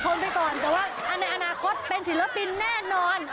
แต่ว่าอันในอนาคตเป็นศิลปินแน่นอน